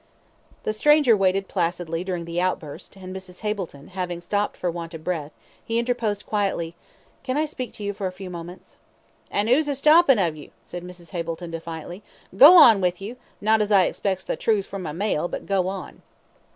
The stranger waited placidly during the outburst, and Mrs. Hableton, having stopped for want of breath, he interposed, quietly "Can I speak to you for a few moments?" "An' who's a stoppin' of you?" said Mrs. Hableton, defiantly. "Go on with you, not as I expects the truth from a male, but go on."